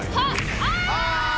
あ！